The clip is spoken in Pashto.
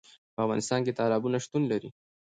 په افغانستان کې تالابونه شتون لري.